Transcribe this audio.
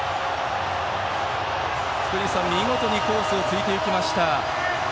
福西さん、見事にコースを突いていきました。